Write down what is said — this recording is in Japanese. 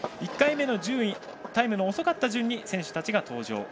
１回目のタイムの遅かった順に選手たちが登場。